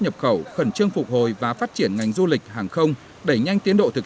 nhập khẩu khẩn trương phục hồi và phát triển ngành du lịch hàng không đẩy nhanh tiến độ thực